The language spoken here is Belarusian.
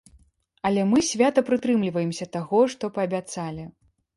Але мы свята прытрымліваемся таго, што паабяцалі.